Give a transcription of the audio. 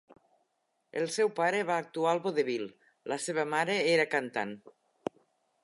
El seu pare va actual al vodevil; la seva mare era cantant.